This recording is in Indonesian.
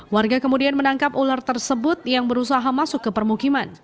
warga kemudian menangkap ular tersebut yang berusaha masuk ke permukiman